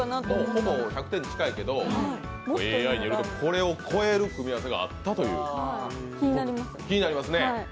ほぼ１００点に近いけどＡＩによるとこれを超える組み合わせがあったということです。